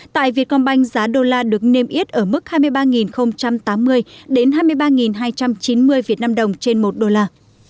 tại vietcombank giá đô la được niêm yết ở mức hai mươi ba tám mươi đến hai mươi ba hai trăm chín mươi việt nam đồng trên một đô la